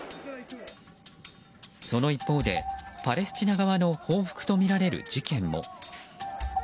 その一方でパレスチナ側の報復とみられる事件も。